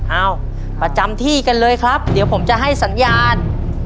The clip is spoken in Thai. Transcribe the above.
ประจำที่กันเลยครับเดี๋ยวผมจะให้สัญญาณ